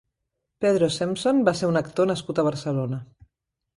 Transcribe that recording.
Pedro Sempson va ser un actor nascut a Barcelona.